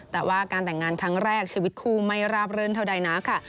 แต่ว่าการแต่งงานครั้งแรกชีวิตคู่ไม่ราบรื่นเท่าใดนะค่ะ